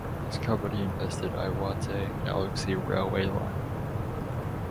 This company invested Iwate Galaxy Railway Line.